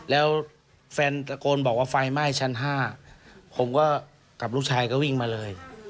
แล้วแฟนตะโกนบอกว่าไฟไหม้ชั้น๕ผมก็กับลูกชายก็วิ่งมาเลย